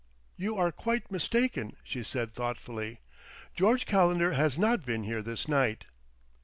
"You are quite mistaken," she said thoughtfully. "George Calendar has not been here this night."